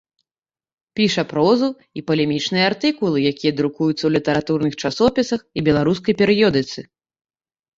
Піша прозу і палемічныя артыкулы, якія друкуюцца у літаратурных часопісах і беларускай перыёдыцы.